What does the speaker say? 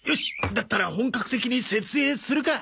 だったら本格的に設営するか！